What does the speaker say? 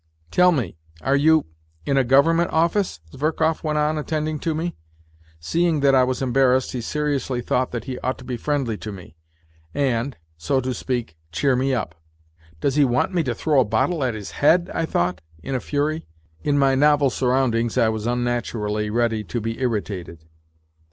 " Tell me, are you ... in a government office ?" Zverkov went on attending to me. Seeing that I was embarrassed he seriously thought that he ought to be friendly to me, and, so to speak, cheer me up. " Does he want me to throw a bottle at his head ?" I thought, in a fury. In my novel surroundings I was unnaturally ready to be irritated.